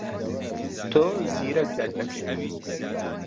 تۆ زیرەک دەردەکەویت.